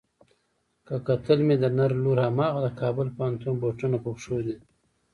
که کتل مې د نر لور هماغه د کابل پوهنتون بوټونه په پښو دي.